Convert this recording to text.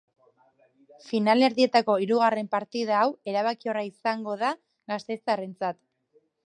Finalerdietako hirugarren partida hau erabakiorra izango da gasteiztarrentzat.